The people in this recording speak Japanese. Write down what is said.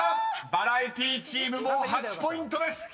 ［バラエティチームも８ポイントです！］